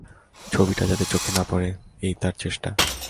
ছবিটা যাতে চোখে না পড়ে এই তার চেষ্টা।